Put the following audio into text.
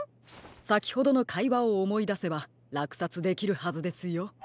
さきほどのかいわをおもいだせばらくさつできるはずですよ。